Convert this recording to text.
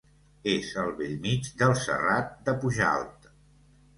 És al bell mig del Serrat de Pujalt.